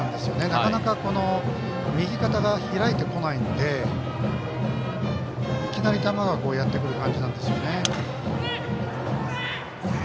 なかなか右肩が開いてこないので、いきなり球がやってくる感じなんですね。